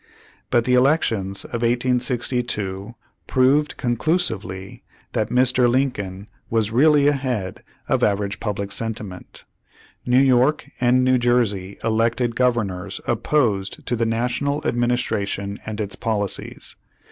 But the elections of 1862 proved conclusively that Mr. Lincoln was really ahead of average pub lic sentiment. New York and New Jersey elected governors opposed to the National Administra tion and its policies.